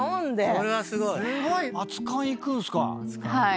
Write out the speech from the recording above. それはすごい。